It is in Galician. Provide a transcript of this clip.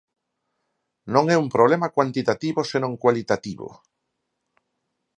Non é un problema cuantitativo, senón cualitativo.